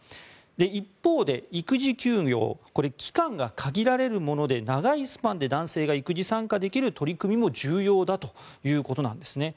一方で、育児休業これは期間が限られるもので長いスパンで男性が育児参加できる取り組みも重要だということなんですね。